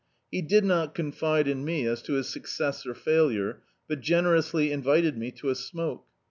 He did not confide in me as to his success or failure; but generously invited me to a smoke.